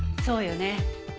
そうよね。